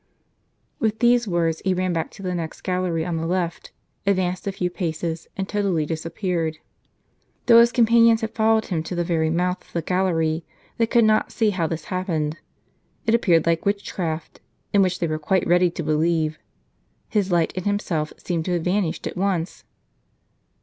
With these words, he ran back to the next gallery on the left, advanced a few paces, and totally disappeared. Though his companions had followed him to the very mouth of the gallery, they could not see how this happened. It appeared like witchcraft, in which they were quite ready to believe. His light and himself seemed to have vanished at once.